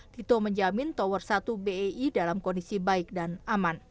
tito menjamin tower satu bei dalam kondisi baik dan aman